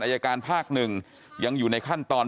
อายการภาค๑ยังอยู่ในขั้นตอน